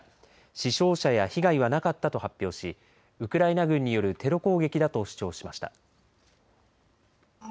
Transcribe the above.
死傷者や被害はなかったと発表しウクライナ軍によるテロ攻撃だと主張しました。